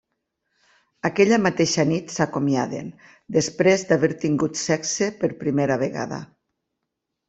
Aquella mateixa nit s’acomiaden després d’haver tingut sexe per primera vegada.